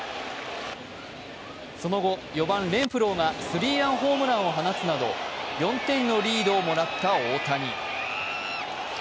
その後、４番・レンフローがスリーランホームランを放つなど４点のリードをもらった大谷。